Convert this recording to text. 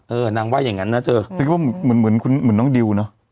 เออนางไหว้อย่างงั้นนะเธอสิงคโปร์เหมือนเหมือนคุณเหมือนน้องดิวเนอะ